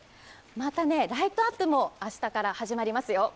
また、ライトアップも明日から始まりますよ。